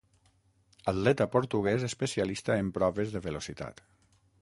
Atleta portuguès especialista en proves de velocitat.